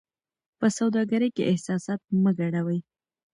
په سوداګرۍ کې احساسات مه ګډوئ.